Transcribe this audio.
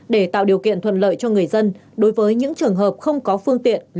để tạo điều kiện thuận lợi cho người dân đối với những trường hợp không có phương tiện